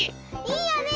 いいよね！